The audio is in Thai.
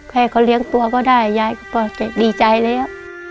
ให้เขาเลี้ยงตัวก็ได้ย้ายนี่ก็ต้องดีใจเลย